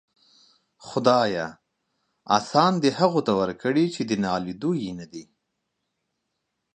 خداىه! آسان دي هغو ته ورکړي چې د ناليدو يې ندې.